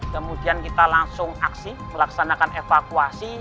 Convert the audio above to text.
kemudian kita langsung aksi melaksanakan evakuasi